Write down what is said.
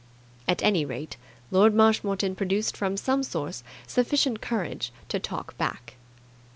At any rate, Lord Marshmoreton produced from some source sufficient courage to talk back.